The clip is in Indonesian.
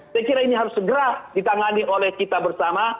saya kira ini harus segera ditangani oleh kita bersama